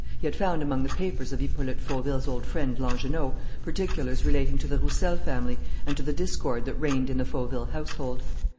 He had found among the papers of Hippolyte Fauville's old friend Langernault particulars relating to the Roussel family and to the discord that reigned in the Fauville household.